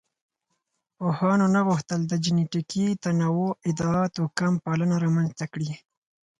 پوهانو نه غوښتل د جینټیکي تنوع ادعا توکمپالنه رامنځ ته کړي.